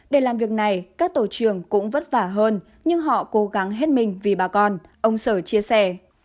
để làm việc này các tổ trường cũng vất vả hơn nhưng họ cố gắng hết mình vì bà con ông sở chia sẻ